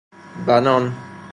بنان